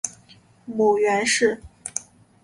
母袁氏。